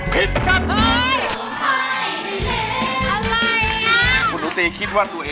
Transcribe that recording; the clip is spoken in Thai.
ผิดคำเดียวให้ไม่เจอ